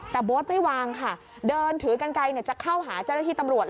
แต่โบ๊ทไม่วางค่ะเดินถือกันไกลจะเข้าหาเจ้าหน้าที่ตำรวจ